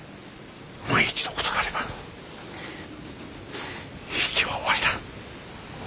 万一のことがあれば比企は終わりだ。